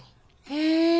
へえ。